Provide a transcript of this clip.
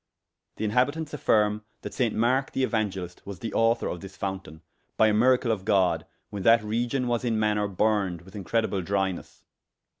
The inhabitantes affyrme that Sainct Marke the Euangelist was the aucthour of this fountayne, by a miracle of God, when that region was in maner burned with incredible drynesse.